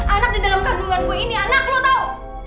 anak di dalam kandungan gue ini anak lo tau